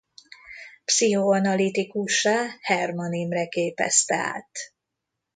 Pszichoanalitikussá Hermann Imre képezte át.